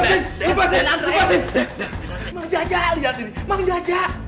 lev teammates mang jajak lihat ini manggajak